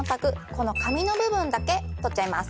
この紙の部分だけ取っちゃいます